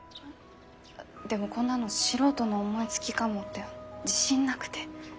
でもこんなの素人の思いつきかもって自信なくて。